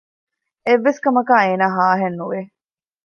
އެއްވެސް ކަމަކާ އޭނާ ހާހެއް ނުވާނެ